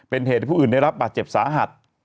เป็นเหตุให้ผู้อื่นได้รับบาดเจ็บสาหัส